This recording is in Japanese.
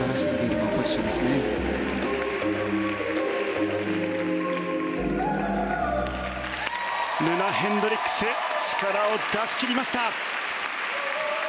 ルナ・ヘンドリックス力を出し切りました！